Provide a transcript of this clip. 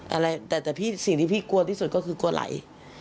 อะไรแต่แต่พี่สิ่งที่พี่กลัวที่สุดก็คือกลัวไหล